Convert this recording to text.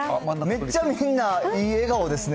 めっちゃみんないい笑顔ですね。